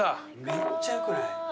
めっちゃよくない？